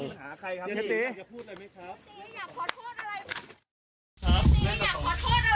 อยากขอโทษอะไรไหมครับ